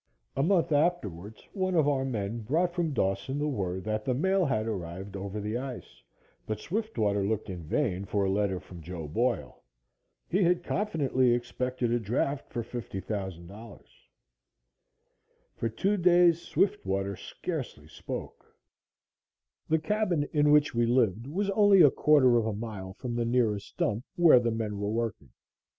A month afterwards one of our men brought from Dawson the word that the mail had arrived over the ice, but Swiftwater looked in vain for a letter from Joe Boyle. He had confidently expected a draft for $50,000. For two days Swiftwater scarcely spoke. The cabin in which we lived was only a quarter of a mile from the nearest dump where the men were working.